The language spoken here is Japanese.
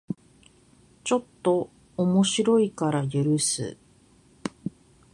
ちょっと面白いから許す